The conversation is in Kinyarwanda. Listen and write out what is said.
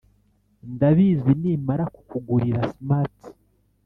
ndabizi nimara kukugurira smart-